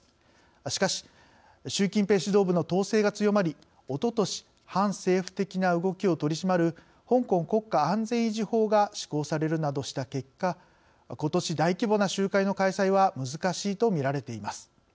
しかし習近平指導部の統制が強まりおととし反政府的な動きを取り締まる香港国家安全維持法が施行されるなどした結果ことし、大規模な集会の開催は難しいとみられています。